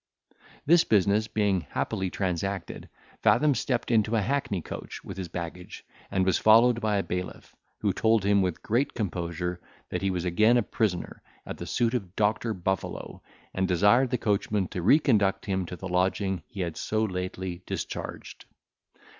This business being happily transacted, Fathom stept into a hackney coach, with his baggage, and was followed by a bailiff, who told him, with great composure, that he was again a prisoner, at the suit of Doctor Buffalo, and desired the coachman to reconduct him to the lodging he had so lately discharged.